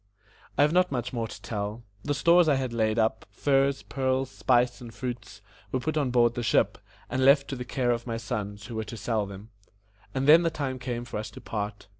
I have not much more to tell. The stores I had laid up furs, pearls, spice, and fruits were put on board the ship, and left to the care of my sons, who were to sell them. And then the time came for us to part.